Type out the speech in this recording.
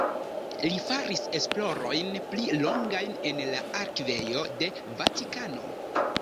Li faris esplorojn pli longajn en la arkivejo de Vatikano.